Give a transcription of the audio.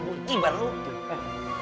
gue kibar lupa